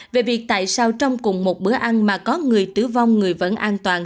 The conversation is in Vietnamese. về việc tại sao trong cùng một bữa ăn mà có người tử vong người vẫn an toàn